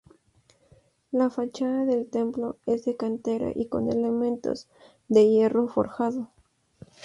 La fachada del templo es de cantera y con elementos de hierro forjado.